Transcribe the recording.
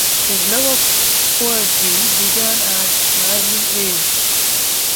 His love of poetry began at an early age.